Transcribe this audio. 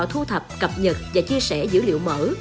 thu thập cập nhật và chia sẻ dữ liệu mở